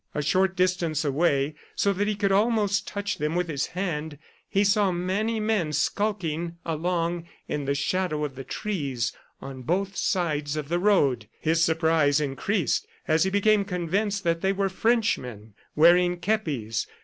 A short distance away, so that he could almost touch them with his hand, he saw many men skulking along in the shadow of the trees on both sides of the road. His surprise increased as he became convinced that they were Frenchmen, wearing kepis.